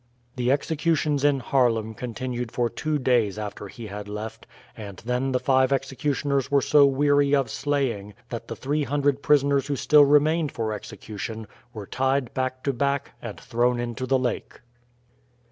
The executions in Haarlem continued for two days after he had left, and then the five executioners were so weary of slaying that the three hundred prisoners who still remained for execution were tied back to back and thrown into the lake.